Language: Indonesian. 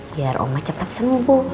biar omah cepet sembuh